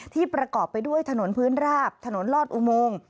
ประกอบไปด้วยถนนพื้นราบถนนลอดอุโมง